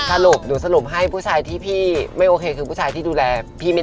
เออสรุปหนูสรุปให้ผู้ชายที่พี่ไม่